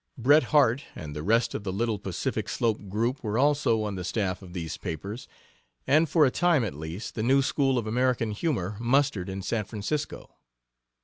Bret Harte and the rest of the little Pacific slope group were also on the staff of these papers, and for a time, at least, the new school of American humor mustered in San Francisco.